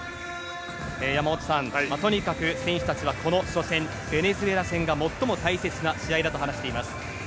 山本さん、とにかく選手たちはこの初戦ベネズエラ戦が最も大切な試合だと話しています。